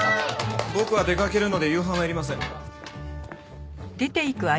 僕は出かけるので夕飯はいりません。